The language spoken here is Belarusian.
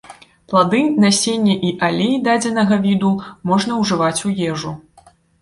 Плады, насенне і алей дадзенага віду можна ўжываць у ежу.